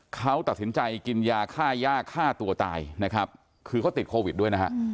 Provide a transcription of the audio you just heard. เขาตัดสินใจกินยาฆ่าย่าฆ่าตัวตายนะครับคือเขาติดโควิดด้วยนะฮะ